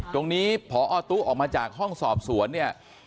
ตรงนี้พอตู้ออกมาจากห้องสอบสวนเนี่ย